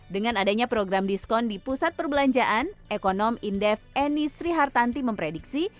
dengan adanya program diskon di pusat perbelanjaan ekonom indef eni srihartanti memprediksi